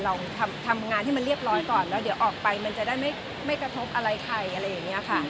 เราทำงานให้มันเรียบร้อยก่อนแล้วเดี๋ยวออกไปมันจะได้ไม่กระทบอะไรใครอะไรอย่างนี้ค่ะ